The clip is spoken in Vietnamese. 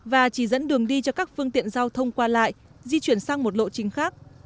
và chỉ dẫn đường đi cho các phương tiện giao thông qua lại di chuyển sang một lộ chính khác